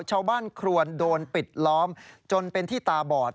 ชาวบ้านควรโดนปิดล้อมจนเป็นที่ตาบอด